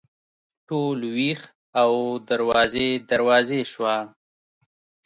ټول ویښ او دروازې، دروازې شوه